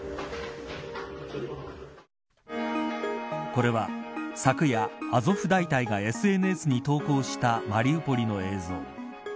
これは昨夜アゾフ大隊がＳＮＳに投稿したマリウポリの映像。